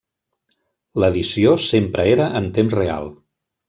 L'edició sempre era en temps real.